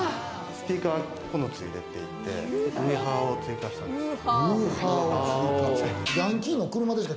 スピーカーは９つ入れていて、ウーハーを追加したんです。